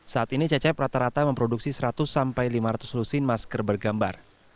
saat ini cecep rata rata memproduksi seratus sampai lima ratus lusin masker bergambar